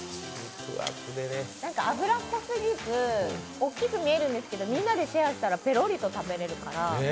油っぽすぎず大きく見えるんですけどみんなでシェアしたらペロリと食べられるから。